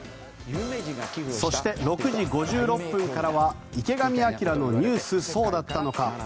そして６時５６分からは「池上彰のニュースそうだったのか！！」。